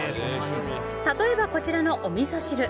例えば、こちらのおみそ汁。